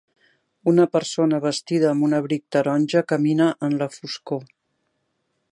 Una persona vestida amb un abric taronja camina en la foscor.